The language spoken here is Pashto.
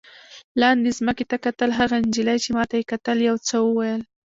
لاندې ځمکې ته کتل، هغې نجلۍ چې ما ته یې کتل یو څه وویل.